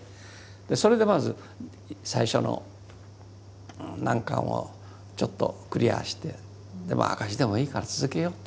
それでまず最初の難関をちょっとクリアして赤字でもいいから続けようと。